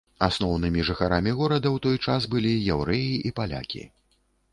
Асноўнымі жыхарамі горада ў той час былі яўрэі і палякі.